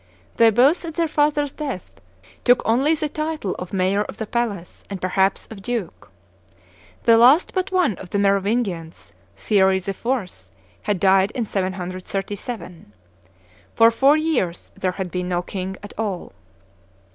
They both, at their father's death, took only the title of mayor of the palace, and, perhaps, of duke. The last but one of the Merovingians, Thierry IV., had died in 737. For four years there had been no king at all.